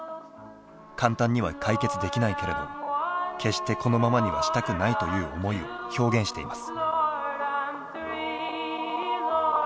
簡単には解決できないけれど決してこのままにはしたくないという思いを表現しています。